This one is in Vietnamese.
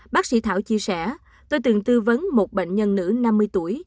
bác sĩ thảo chia sẻ tôi từng tư vấn một bệnh nhân nữ năm mươi tuổi